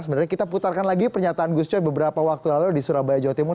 sebenarnya kita putarkan lagi pernyataan gus coy beberapa waktu lalu di surabaya jawa timur